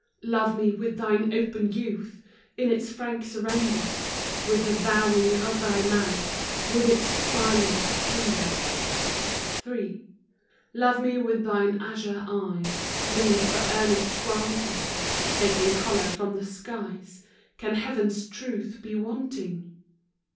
Love me with thine open youth In its frank surrender ; With the vowing of thy mouth, With its silence tender. hi. Love me with thine azure eyes, Made for earnest granting;! Taking color from the skies, Can Heaven's truth be wanting?